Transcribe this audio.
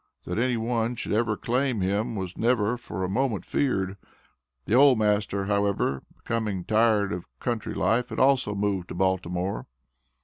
That any one should ever claim him was never for a moment feared. The old master, however, becoming tired of country life, had also moved to Baltimore.